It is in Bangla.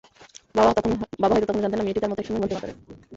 বাবা হয়তো তখনো জানতেন না, মেয়েটি তাঁর মতোই একসময় মঞ্চ মাতাবেন।